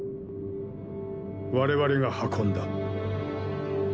我々が運んだ。